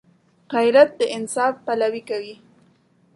غیرت د انصاف پلوي کوي